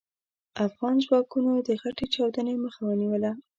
افغان ځواکونو د غټې چاودنې مخه ونيوله.